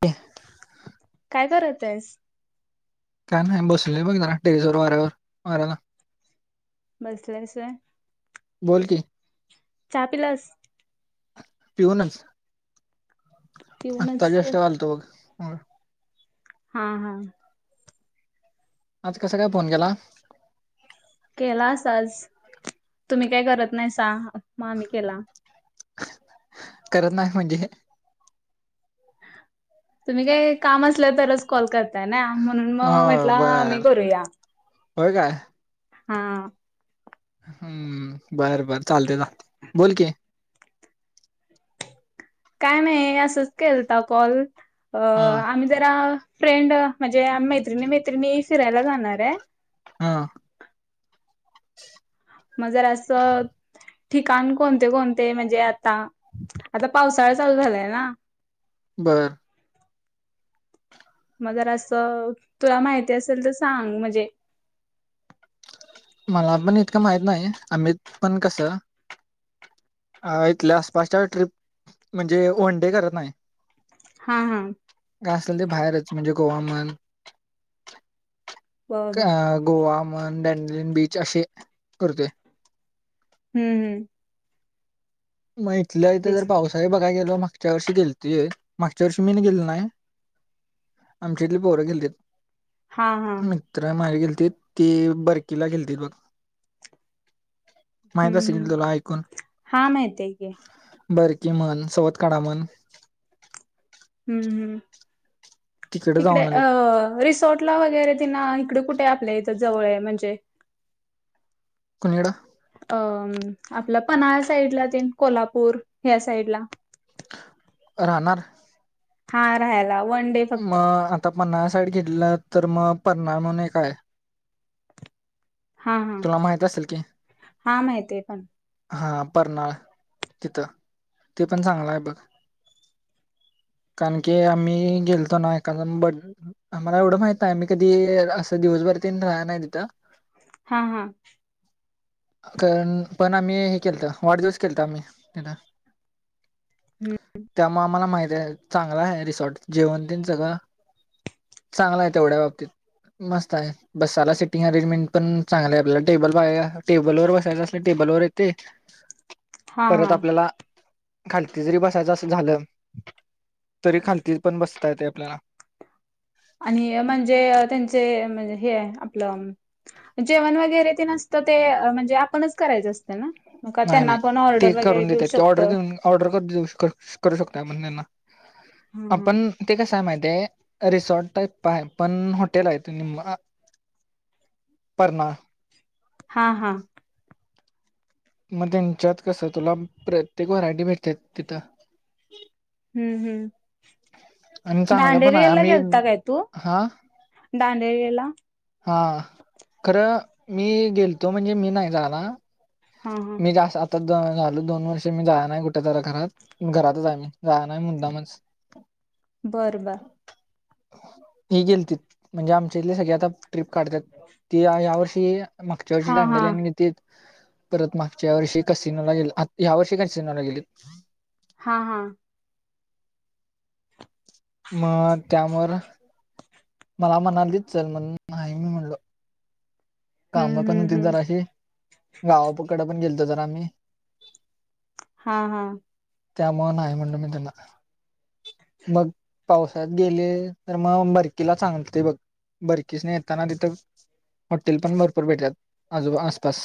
ते करतस काय नाही बसले बघ ना टेरिस व वाऱ्यावर वाऱ्याला बसले रे बोल की चहा पिलास पिऊनच पिऊनच आता जस्ट आलोतो बघ म हा हा आज कस काय फोन केला केला अशाच तुम्ही काही करत नाहीसा मग आम्ही केला करत नाही म्हणजे तुम्ही काय काम असल्या तरच कॉल करता त्यांना म्हणून मग हो म्हटलं बर मी करूया होय काय हा हम्म बर बर चालते चाल बोलकी काय नाही असंच केलता कॉल अ हा आम्ही जरा फ्रेंड म्हणजे मैत्रिणी मैत्रिणी फिरायला जाणार आहे हो म्हणजे अस ठिकाण कोणते कोणते म्हणजे आता आता पाऊस पाऊसळा चालू झालंय ना बरं मग जरअसं तुला माहिती असेल तर सांग म्हणजे मला पण इतकं माहित नाही अमित पण कस अ इथल्या आसपासच्या ट्रिप म्हणजे वन डे करत नाही हो हो काय असल ते बाहेरच म्हणजे गोवा म्हण बरोबर का गोवा [unintelligible] वन बॅन लिंग बीच असे करतोय हम हम मग इथल्या इथे पावसाळे बघताय काय गेलो ते मागच्या वर्षी गेलतीय मागचा वर्षी मी गेलो नाही आमच्या इथले पोरं गेले हां हां होते मित्र माझे गेले ते ती बरकीेला खेळतीय बघ माहिंदा हम्म सिडल हम्म तोला ऐकून हां माहिती आहे की बर कि म्हण सोबत काढा म्हण हम् हम् तिकडे इकडे जाऊन आलेत अ रिसॉर्टला वगैरे तिना इकडे कुठे आपल्या इथ जवळ म्हणजे कनडा अ आपलं पनळ साईडला दे कोल्हापूर ह्या साईडला राहणार हा राहाला मग आता पन्नाळा साईड घेतलं तर मग पनना म्हणून एक काय हा हा माहित असेल की हा माहित आहे पण हा परनाळ तिथं ते पण चांगलंय बघ कारण की आम्ही गेलतो ना एखा ब आम्हाला एवढं माहित आहे आम्ही कधी असं दिवस भर काय राहय न नाही तीत हा हा कारण पण आम्ही हे केलत वाढदिवस केलत आम्ही त्याना हम्म त्यामुळे आम्हाला माहित आहे चांगला आहे रिसॉर्ट जेवणती सगळं चांगला आहे तेवढ्या बाबतीत मस्त आहे बसाला सिटिंग अरेंजमेंट पण चांगलं आहे आपल्याला टेबल पा टेबल वर बसायच असल टेबल वर येते हां परत हां आपल्याला खालती जरी बसायचं असं झालं तरी खालती पण बसता येत आपल्याला आणि म्हणजे त्यांचे म्हणजे हे आपलं जेवण वगैरे ते नसतं ते म्हणजे आपणच करायचं असते ना मग का नाही त्यांना नाही आपण ते ऑर्डर वगैरे करून देऊ देतेत की ऑर्डर शकतो देऊन ऑर्डर कर देऊ करू शकत आपण त्यांना हां हां आपण ते कसं आहे माहिती ते रिसॉर्ट टाईप आहे पण हॉटेल आहे त नि परणाला हा हा मग त्यांच्यात कसं तुला प्रत्येक व्हरायटी भेटते तिथं हम् हम्म आणि चांगलं पण आहे दांडेरयला आम्ही गेलता काय तू हा दडांडेरयला? हा खरं मी गेलतो म्हणजे मी नाही झाला हा हा मी जा आता झाल दोन वर्षे मी जा नाही कुठे जरा घरात घरातच आहे मी जा नाही मुद्दामच बरं बर हे गेलथे म्हणजे आमच्या इथले सगळे आता ट्रिप काढतात ती ह्या वर्षी मागच्या हा वर्षी हा दांडेलन घेत परत मागच्या या वर्षी कासिनेमाला गे या वर्षी कासिनेमाला गेले हा हा मग त्यामुळे मला म्हणालीच चल म्हण नाही मी म्हणलो कामं हम्म पण हम्म होती हम्म जराशी गावापकड पण गेलतो जरा आम्ही हा हा त्यामुळे नाही म्हणल मी त्यांना मग पावसात गेले तर मग बरकीला सांगते बघ बर्कीस नाही येताना तिथं हॉटेल पण भरपूर भेटतात आजू आसपास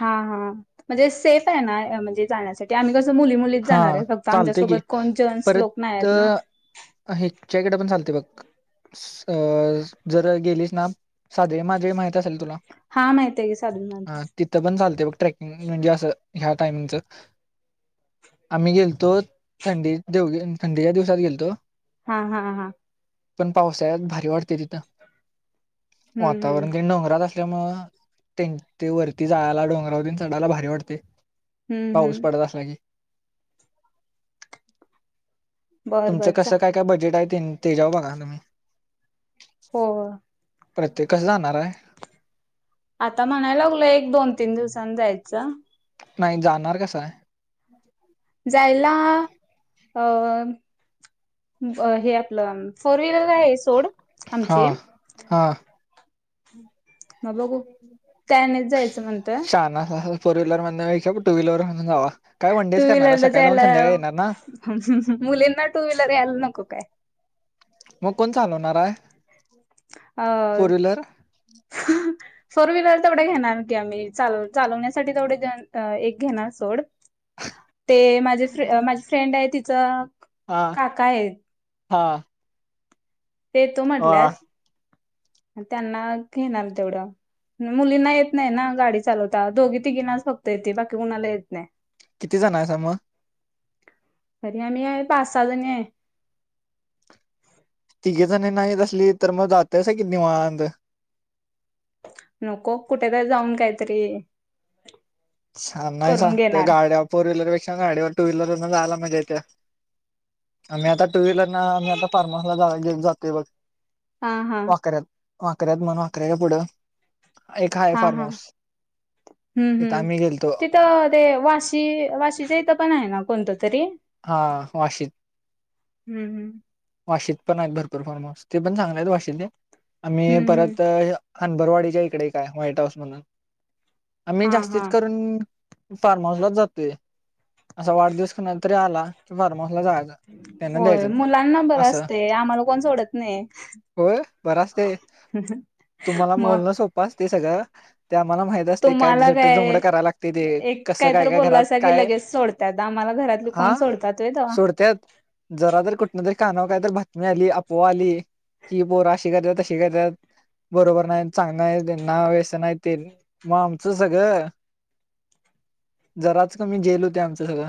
हा हा म्हणजे सेफ आहे ना म्हणजे जाण्यासाठी आम्ही क मुली मुलीत हा जाणार आहे फक्त चालते की आमच्यासोबत कोण जेन्टस लोक नाही आहेत ना चेकट पण चालते बघ जर गेलीस ना साधळे माजळे माहिती हा माहित आहे की साधू हम्म महाराज तिथ पण चालते बग ट्रेक हम् म्हणजे असं ह्या टाईमिंगच. आम्ही गेलतो थंडीत [unintelligible] थंडीच्या दिवसात गेलंतो. हां हां हां. पण पावसाळ्यात भारी वाटतंय तिथं हम्म वातावरण हम्म तेन डोंगरात आस त्यामुळं तेन ते वरती जायला डोंगरावतेन चढायला भारी वाटतय. हम्म पाऊस हम्म पडत आसला की. बर तुमचं बर चा कसं काय काय बजेट हाय तेन तेज्या वर बघा तुम्ही. हो. प्रत्येक कसं जाणार हाय? आता म्हणाय लागलोय एक दोन तीन दिवसान जायचं. नाई जाणार कसं हाय? जायला अम् हे आपलं म् फोर व्हीलर काय हायचं सोड. आमची हां हां. मग बघू त्यानेच जायचं म्हणतोय शहाणा असलासा तर फोर व्हीलर माधन पेक्ष्या टू व्हीलर वरून जावा. काय वनडे टू च करणार हाय व्हीलरला सकाळी जाऊन जायला संध्याकाळी येणार ना? मुलींना टू व्हीलर यायला नको काय. मग कोण चालवणारा हाय? अं. फोर व्हीलर तेवढं घेणार की आम्ही चालव चालवण्यासाठी तेवढे जेन्स एक घेणार सोड. ते माझे माझे फ्रेंड हाय तिचं काका हाय. हां. ते येतो म्हटल्यात आणि त्यांना घेणार तेवढं. मुलींना येत नाई ना गाडी चालवता दोघी तिघीनाच फक्त येते बाकी कुणाला येत नाई. किती जण हायसा म? तरी आम्ही हाय पाच साहा जणी हाय. तिघी जणींना येत असली तर मग जातायसा किती निवांत. नको कुठेे तरी जाऊन काहीतरी. शाना हैसा करून त्या घेणार गाड्या फोर व्हीलर पेक्षा गाड्यावर टू व्हीलर वर्ण जयायला मजा येत्या. आम्ही आता टू व्हीलरनं आम्ही आता फार्म होऊस गेले जातोय बघ. हां हां. वाकऱ्यात वाकऱ्यात म्हण वाकऱ्याच्या पुढं एक हाय हा फार्म हा हाऊस. हम्म हम्म आम्ही गेलतो तिथं ते वाशी वाशीच्या इथं पण हाय ना कोणतं तरी? हां वाशीत. हम्म हम्. वाशीत पण हाईत भरपूर फार्म होऊस ते पण चांगले हाईत वाशीत ले आम्ही हम्म हम्म परत ह्या हनबारवाडीच्या इकडं एक हाय व्हाईट हाऊस म्हणून. आम्ही हा हा जास्तीच करून फार्म हाऊस लाच जातोय. असा वाढदिवस कोणाचा तरी आला कि फार्म हाऊसला जायचं. त्यांना होय द्यायचं मुलां ना बरं असं. असतंय आम्हाला कोण सोडत नाई. होय बरं असतंय. तुम्हाला बोलणं सोपं असतंय सगळं ते आम्हाला माहित असतंय काय तुम्हाला झट काय झुमडं करायला लागतंय ते. एक कसं काय तर घरात बोललासा की काय लगेच सोडत्यात आम्हाला घरातले कोण हां सोडत्यात होय तेव्हा. सोडत्यात. जरा जर कुठ कुठनं जर काना काय तर बातमी आली आपव्हा आली की पोरं अशी करत्यात तशी करत्यात. बरोबर नाई चांगली नाईत त्यांना वेसन हाय तेन मग आमचं सगळं. जराच कमी जेल होतय आमचं सगळं.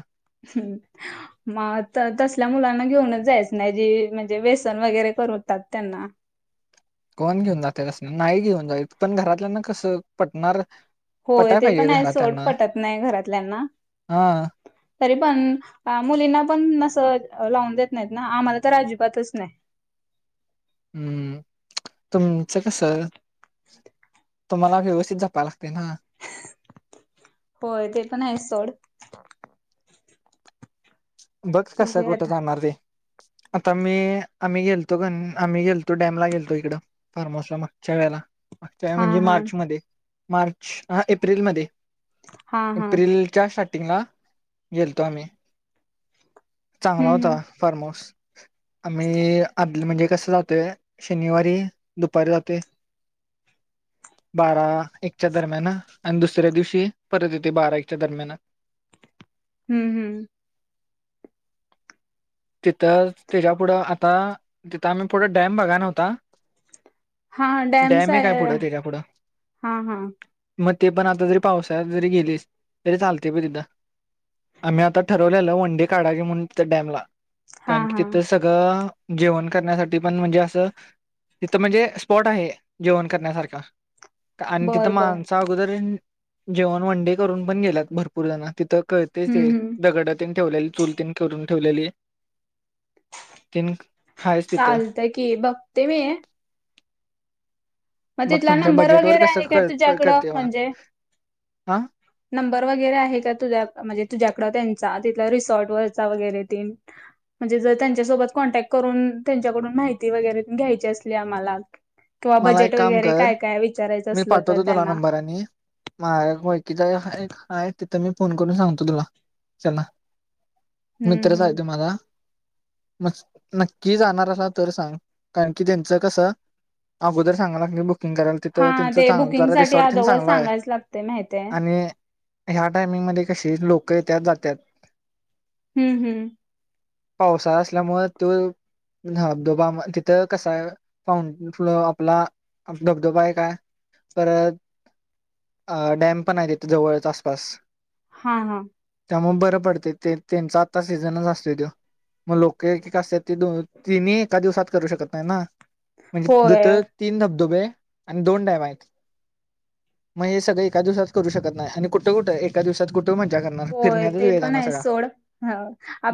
मं आता तसल्या मुलांना घेऊनच जायचं नाई म्हणजे व्हेसन वगैरे करून करतात त्यांना. कोण घेऊन जातय तस नाही घेऊन जाईत पण घरातल्याना कसं पटणार? होय पटाय ते पण पाहिजे हाय सोड घरातल्यांना पटत नाही घरातल्यांना. हा तरी पण अ मुलींना पण नस लावून देत नाहीत ना आम्हाला तर अजिबातच नाही. हम्म तुमचं कस? तुम्हाला व्यवस्थित जपाय लागतय ना? होय ते पण आहे सोड बघ कासा बघूया [unintelligible] आता जाणार रे आता मी आम्ही गेलतो घण आम्ही गेलतो डॅमला गेलतो इकडं फार्माऊस ला मागच्या वेळे मागच्या वेळी हा म्हणजे हा मार्च मध्ये मार्च हा एप्रिलमध्ये हा हा हम्म एप्रिलच्या स्टार्टिंगला गेलतो आम्ही. चांगला होता हम्म फार्माऊस आम्ही आ त म्हणजे कस जातय शनिवारी दुपारी जातय. [inaudible] बारा एकच्या दरम्यानअ आणि दुसऱ्या दिवशी परत येते बारा एकच्या दरम्यानअ. हम्म हम्म तिथं त्याच्या पुुढं आता तिथं आम्ही पुढे डॅम बघाय नव्हता. हा डॅम्स डॅम एक हाय आहे पुढं त्याच्या पुुढं. हा हा मग ते पण आता जरी पावसाळ्यात जरी गेलीस तरी चालतंय बघ तिथ. आम्ही आता ठरवलेलं वन डे काढायची म्हणून तिथ डॅमला हा कारण की हा तिथं सगळं. जेवण करण्यासाठी पण म्हणजे असं, तिथं म्हणजे स्पॉट आहे जेवण करण्यासारखा. आणि बर तिथं बर माणस अगोदर जेवण वनडे करून पण गेल्यात भरपूर जण तिथं. कळतयच ते हम्म हम्म दगडतेन ठेवलेली चुलतेन करून ठेवलेली. तीन हायच तिथं चालतंय की बघते मी! मग तिथला तुमच्या नंबर बजेट वर वगैरे कसं आहे का [unintelligible] तुझ्याकडं करतय मग म्हणजे ह नंबर वगैरे आहे का तुझ्या म्हणजे तुझ्याकड तेनचा तिथला रिसॉर्ट वरचा वगैरे तेन. म्हणजे जर त्यांच्यासोबत कॉन्टॅक्ट करून त्यांच्याकडून माहिती वगैरे घ्यायची असली आम्हाला. किंवा मला एक बजेट काम वगैरे कर काय काय विचार. मी पाठवतो तुला नंबर आणि [inaudible] तिथं एक हायक आहे तिथं मी फोन करून सांगतो तुला चला. हम्म मित्रच हाय हम्म. तो माझा. नक्की जाणार असाल तर सांग कारण की त्यांचं कस? अगोदर सांगाय लागत बुकिंग करायला. तर हा त्यांचं ते चांग बुकिंग जरा साठी रिसॉर्ट तेन अदोगर चांगलं आहे सांगायच लागते माहितय. आणि ह्या टायमिंग मध्ये कशी लोक येत्यात जातात. हम्म हम्म पावसाळा असल्यामुळे तो धबधोबा म तिथं कसाय फाउंटन फ्लो आपला धबधोबा हाय. काय परत अ डॅम पण हाय तथ जवळच आसपास. हा हा त्यामुळे बरं पडतंय ते त्यांचा आता सीझनच असतो तो. मग लोक एक एक असतात ती दो तिन्ही एका दिवसात करू शकत नाय ना. म्हणजे होय [inaudible] तीन धबधबे आणि दोन डॅम हायत. मग हे सगळं एका दिवसात करू शकत नाय आणि कुठं कुठं एका दिवसात कु होय ते पण हाय सोड ह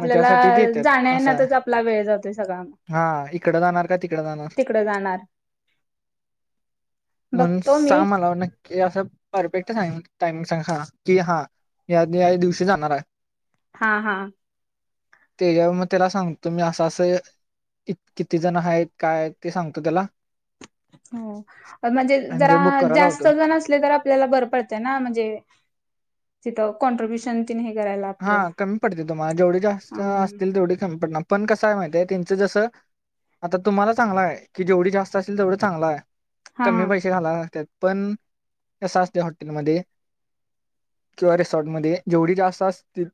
मग त्यासाठी ते येतात असा जाण्यायेण्यातच आपला वेळ ये जातय सगळ आण. हा हिकडं जाणार का ती तिकड जाणार म्हणून बघतो मी सांग मला नक्क. ते असं परफेक्ट टायमिंग टाइमिंग सांग हा की हा या या दिवशी जाणार हाय. हा हा त्याच्या मग त्याला सांगतो मी असं असं कित-किती जण आहेत काय आहेत ते सांगतो त्याला हो म्हणजे आणि जरा ते बुक करायला जास्त होतो जण असले तर आपल्याला बरं पडतय ना म्हणजे तिथ कॉन्ट्रीब्युशन तिन हे करायला हा आपलं कमी पडते तुम्हाला जेवढी जास्त हा असतील तेवढी कमी पडणार पण कसय माहितीय त्यांचं जसं आता तुम्हाला चांगलं आहे की जेवढी जास्त असेल तेवढं चांगलं आहे हा हा कमी हा पैसे घालाय लागतात पण कस असतय हॉटेलमध्ये किंवा रिसॉर्टमध्ये जेवढी जास्त असतील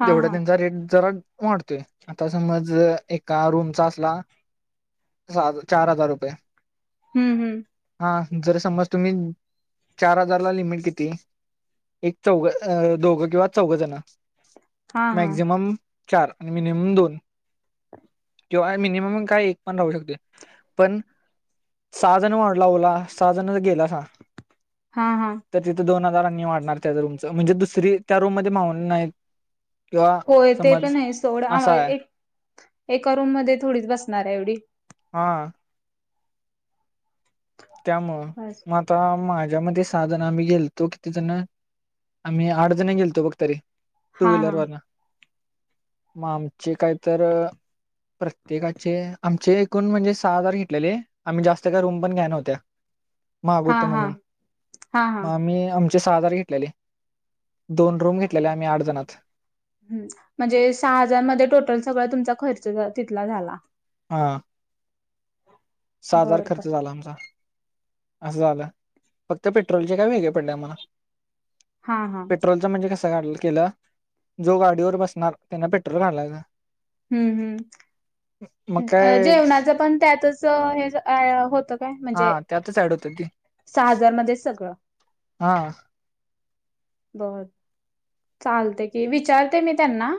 हा तेवढा हा त्यांचा रेट जरा वाढतोय आता समज एका रूमचा असला चार हजार रुपये हम्म हम्म जर समज तुम्ही चार हजारला लिमिट किती एक चौघं अ दोघं किंवा चौघ जण हा हा मॅक्झिमम चार आणि मिनिमम दोन ह किंवा मिनिमम काय एक पण राहू शकते पण सहाजण वाढला ओला सहाजण गेला हा हा तर तिथे दोन हजारांनी वाढणार त्या रूमच म्हणजे दुसरी त्या रूम मध्ये मावून नाही होय ते पण आहे सोड असा आहे एक एका रूम मध्ये थोडीच बसणार आहे एवढी हा त्यामुळं बस. मग आता माझ [unintelligible] सहाजण आम्ही गेलतो किती जण आम्ही आठ जण गेलतो बघ तरी टू हा हा व्हीलरवर्ण मग आमचे काही तर प्रत्येकाचे आमचे एकूण म्हणजे सहा हजार घेतलेले आम्ही जास्त काय रूम पण घ्याय नव्हतं महाग हा होतं हा म्हणून हा हा मग आम्ही सहा हजार घेतलेले दोन रूम घेतलेले आम्ही आठ जणात ह् म्हणजे सहा हजार मध्ये टोटल सगळा तुमचा खर्च तिथला झाला हा सहा हजार बर बर. खर्च झाला आता. असं झालं, फक्त पेट्रोलचे काय वेगळे पडले आम्हाला. हा हा पेट्रोलच म्हणजे कस काढलं. केलं, जो गाडीवर बसणार त्यांना पेट्रोल घालायचं. हम्म मग हम् अं काय जेवणाचं पण त्यातच हे अ होत. काय हा म्हणजे, त्यातच ऍड होत ती सहा हजार मध्ये सगळं हा बर, चालते की विचारते मी त्यांना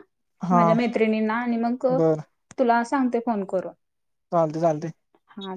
हा माझ्या मैत्रिणींना आणि मग बरं तुला सांगते फोन करून. चालते चालते. हा